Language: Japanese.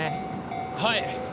はい。